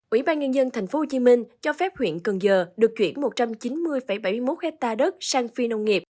ủy ban nhân dân tp hcm cho phép huyện cần giờ được chuyển một trăm chín mươi bảy mươi một hectare đất sang phi nông nghiệp